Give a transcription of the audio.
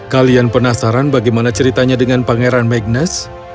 kalian penasaran bagaimana ceritanya dengan pangeran magness